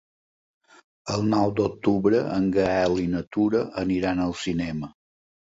El nou d'octubre en Gaël i na Tura aniran al cinema.